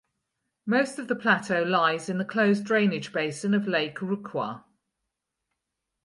Most of the plateau lies in the closed drainage basin of Lake Rukwa.